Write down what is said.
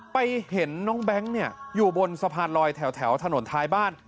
เห็นน้องแบงค์อยู่บนสะพานลอยแถวถนนท้ายบ้าน